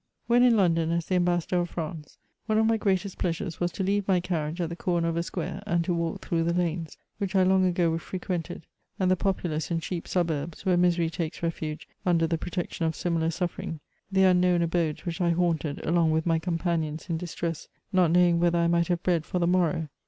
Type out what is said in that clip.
When in London as the amhassador of France, one of my greatest pleasures was to leave my carriage at the comer of a square and to walk through the lanes, which I had long ago fire quented, and the populous and cheap suhurhs, where misery takes reiugB under the protection of similar suffering, the unknown abodes which I haunted along with my companions in distress, not knowing whether I might have bread for the morrow.